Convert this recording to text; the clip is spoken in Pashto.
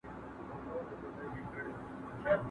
¬ له ليري واه واه، له نژدې اوډره.